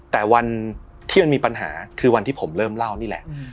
แต่วันที่มันมีปัญหาคือวันที่ผมเริ่มเล่านี่แหละ